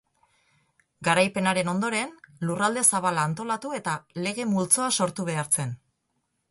Garaipenaren ondoren, lurralde zabala antolatu eta lege-multzoa sortu behar zen.